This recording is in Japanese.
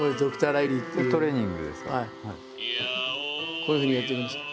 こういうふうにやってるんです。